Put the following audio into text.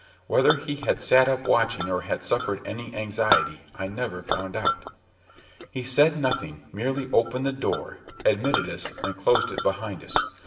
Whether he had sat up watching, or had suffered any anxiety, I never found out. He said nothing; merely opened the door, admitted us, and closed it behind us.